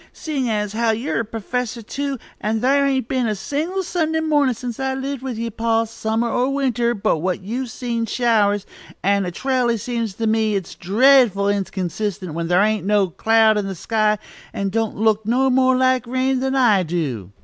"Seein' as you're a perfessor, too, and thar' ain't been a single Sunday mornin' since I've lived with ye, pa, summer or winter, but what you've seen showers, and it r'aly seems to me it's dreadful inconsistent when thar' ain't no cloud in the sky, and don't look no more like rain than I do."